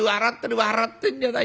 笑ってんじゃない。